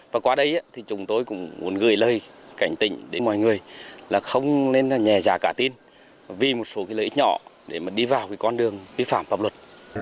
và qua đây chúng tôi cũng muốn gửi lời cảnh tình đến mọi người là không nên nhè giả cả tin vì một số lợi ích nhỏ để đi vào con đường vi phạm pháp luật